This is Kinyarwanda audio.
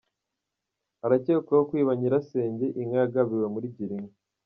Arakekwaho kwiba Nyirasenge inka yagabiwe muri girinka